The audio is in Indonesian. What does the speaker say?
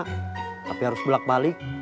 tapi harus belak balik